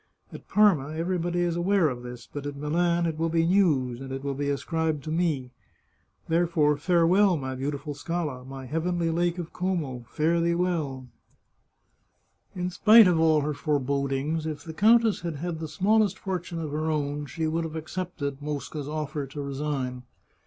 At Parma everybody is aware of this, but at Milan it will be news, and it will be ascribed to me. Therefore, farewell, my beautiful Scala! my heavenly Lake of Como, fare thee well I " io8 The Chartreuse of Parma In spite of all her forebodings, if the countess had had the smallest fortune of her own, she would have accepted Mosca's offer to resign.